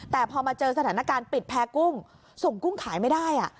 แต่พอมาเจอสถานการณ์ปิดแพ้กุ้งส่งกุ้งขายไม่ได้